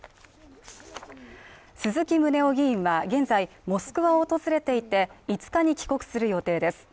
鈴木宗男議員は現在モスクワを訪れていて、５日に帰国する予定です。